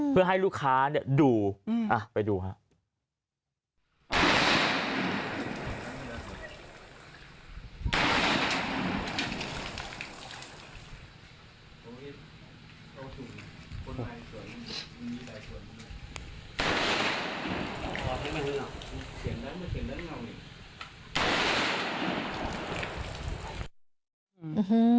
เพื่อให้ลูกค้าดูไปดูครับ